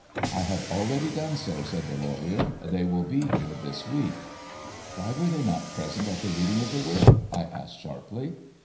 " I have already done so," said the lawyer ;" they will be here this week." "Why were they not present at the reading of the will?" I asked sharply.